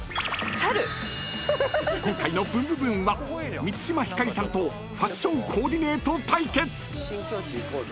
［今回の『ブンブブーン！』は満島ひかりさんとファッションコーディネート対決！］